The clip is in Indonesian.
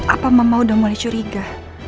apa mama udah mulai curiga